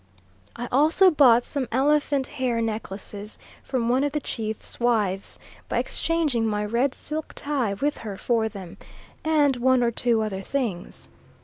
I also bought some elephant hair necklaces from one of the chiefs' wives, by exchanging my red silk tie with her for them, and one or two other things.